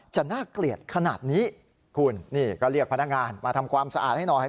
จะน่าเกลียดขนาดนี้คุณนี่ก็เรียกพนักงานมาทำความสะอาดให้หน่อย